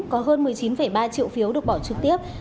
có hơn một mươi chín ba triệu phiếu được bỏ trực tiếp